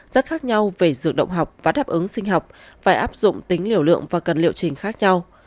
rất khác nhau về dự động học và đáp ứng sinh học phải áp dụng tính liều lượng và cần liệu trình khác nhau